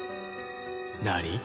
何？